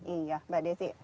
iya mbak desi